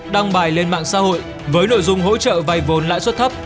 đăng bài lên mạng xã hội với nội dung hỗ trợ vay vốn lãi suất thấp